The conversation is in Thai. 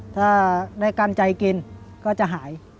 ถ้าได้กำใจกินก็จะหาย